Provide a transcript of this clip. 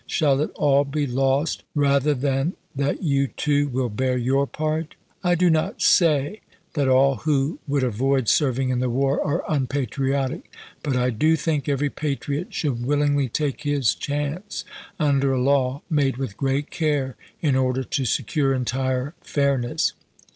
Shall it all be lost rather than that you, too, will bear your part ?" I do not say that all who would avoid serving in the war are unpatriotic ; but I do think every patriot should willingly take his chance under a law, made with great care, in order to secure entire fairness.